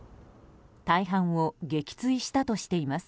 大半を撃墜したとしています。